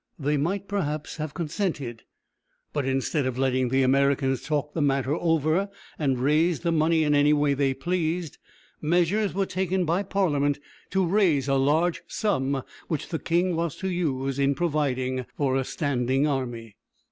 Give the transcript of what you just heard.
they might perhaps have consented. But instead of letting the Americans talk the matter over and raise the money in any way they pleased, measures were taken by Parliament to raise a large sum, which the king was to use in providing for a standing army.